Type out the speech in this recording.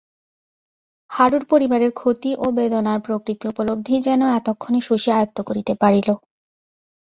হারুর পরিবারের ক্ষতি ও বেদনার প্রকৃতি উপলব্ধি যেন এতক্ষণে শশী আয়ত্ত করিতে পারিল।